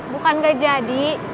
bukan gak jadi